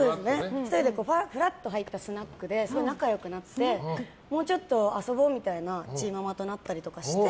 １人でふらっと入ったスナックで仲良くなってもうちょっと遊ぼうみたいにチーママとなったりして。